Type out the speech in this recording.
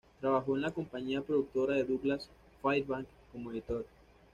Trabajó en la compañía productora de Douglas Fairbanks como editor.